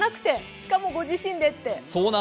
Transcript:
しかもご自身でっていう。